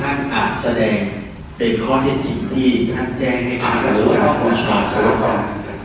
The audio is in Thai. ท่านอาจแสดงเป็นข้อเท็จจริงที่ท่านแจ้งให้อาจารย์รู้ว่าความความชาวชาวก่อน